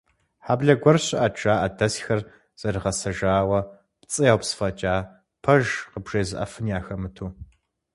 Хьэблэ гуэр щыӀэт, жаӀэ, дэсхэр зэрыгъэсэжауэ, пцӀы яупс фӀэкӀа, пэж къыбжезыӀэфын яхэмыту.